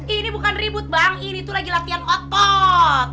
ini bukan ribut bang ini tuh lagi latihan otot